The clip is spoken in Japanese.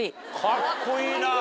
カッコいいな。